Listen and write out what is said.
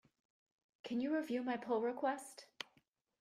Can you review my pull request?